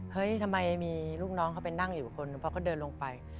เฮ้ยทำไมมีลูกน้องเขาไปนั่งอยู่คนหนึ่งเพราะเขาเดินลงไป